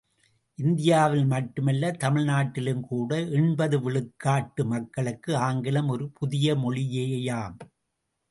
இந்தியாவில் மட்டுமல்ல, தமிழ் நாட்டிலும் கூட எண்பது விழுக்காட்டு மக்களுக்கு ஆங்கிலம் ஒரு புதிய மொழியேயாம்.